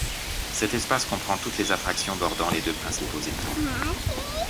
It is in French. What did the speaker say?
Cet espace comprend toutes les attractions bordant les deux principaux étangs.